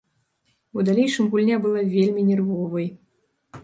У далейшым гульня была вельмі нервовай.